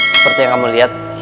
seperti yang kamu lihat